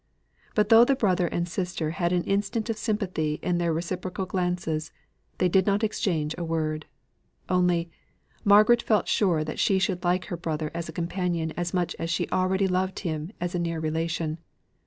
But though the brother and sister had an instant of sympathy in their reciprocal glances, they did not exchange a word; only, Margaret felt sure that she should like her brother as a companion as much as she already loved him as a near relation.